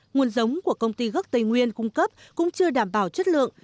nguồn giống của công ty gốc tây nguyên cung cấp cũng chưa đảm bảo chất lượng